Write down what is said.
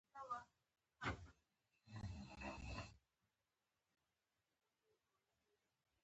پر ما غټ دي د مُلا اوږده بوټونه